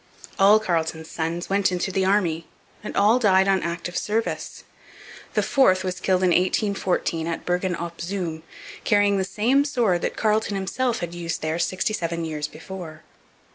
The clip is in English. All Carleton's sons went into the Army and all died on active service. The fourth was killed in 1814 at Bergen op Zoom carrying the same sword that Carleton himself had used there sixty seven years before.